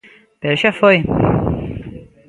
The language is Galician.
Pero xa foi.